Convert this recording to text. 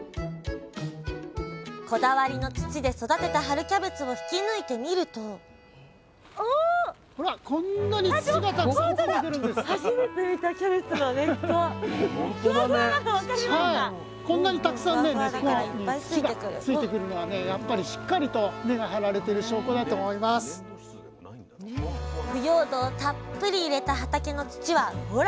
こだわりの土で育てた春キャベツを引き抜いてみると腐葉土をたっぷり入れた畑の土はほら！